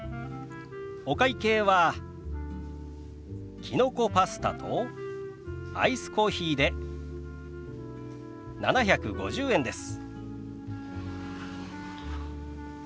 お会計はきのこパスタとアイスコーヒーで７５０円です。